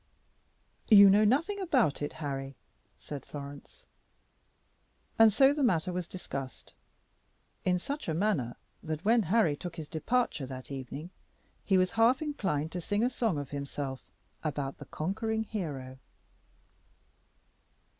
"You know nothing about it, Harry," said Florence. And so the matter was discussed in such a manner that when Harry took his departure that evening he was half inclined to sing a song of himself about the conquering hero.